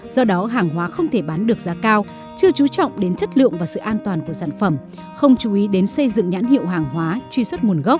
do đó hàng hóa không thể bán được giá cao chưa chú trọng đến chất lượng và sự an toàn của sản phẩm không chú ý đến xây dựng nhãn hiệu hàng hóa truy xuất nguồn gốc